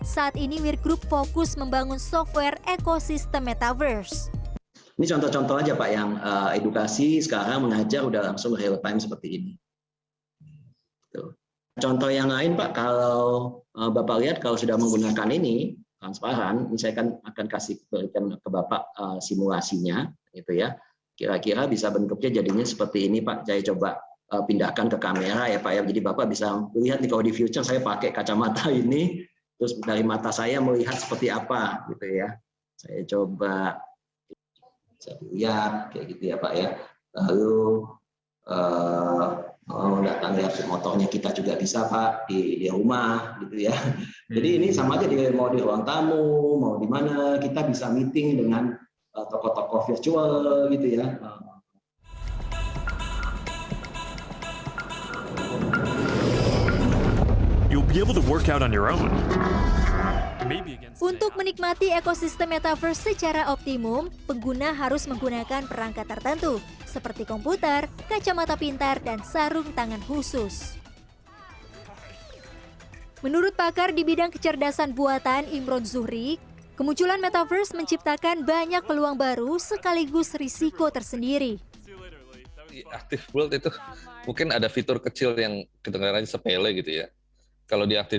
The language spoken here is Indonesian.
kami percaya bahwa metaverse adalah sebuah ekosistem yang bergabung dengan teknologi virtual reality